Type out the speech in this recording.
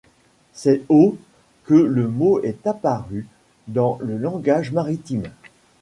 C’est au que le mot est apparu dans le langage maritime.